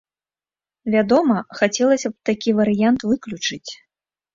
Вядома, хацелася б такі варыянт выключыць.